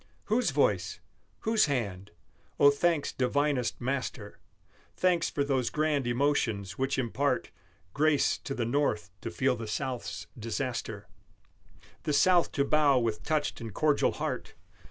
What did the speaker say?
Whose voice? Whose hand? Oh, thanks divinest Master, Thanks for those grand emotions which impart Grace to the North to feel the South's disaster, The South to bow with touched and cordial heart!